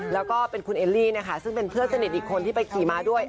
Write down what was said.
แล้วก็เป็นคุณเอลลี่นะคะซึ่งเป็นเพื่อนสนิทอีกคนที่ไปขี่มาด้วย